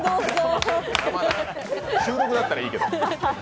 収録だったらいいけど。